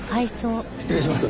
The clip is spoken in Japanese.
失礼します。